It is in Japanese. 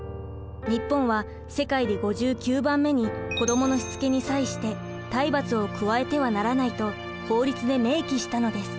日本は世界で５９番目に「子どものしつけに際して体罰を加えてはならない」と法律で明記したのです。